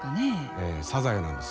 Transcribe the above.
ええサザエなんですよ。